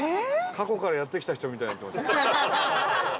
過去からやって来た人みたいになってます。